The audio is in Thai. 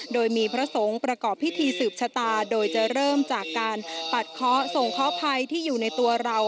โดยมีพระสงฆ์ประกอบพิธีสืบชะตาโดยจะเริ่มจากการปัดเคาะส่งเคาะภัยที่อยู่ในตัวเรา